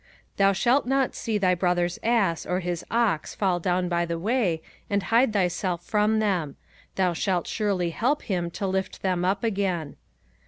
05:022:004 Thou shalt not see thy brother's ass or his ox fall down by the way, and hide thyself from them: thou shalt surely help him to lift them up again.